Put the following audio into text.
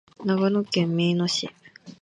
長野県茅野市